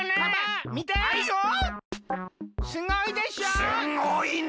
すごいね！